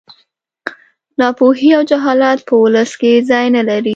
ناپوهي او جهالت په ولس کې ځای نه لري